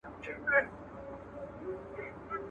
ټولنه باید ناروغ ومني.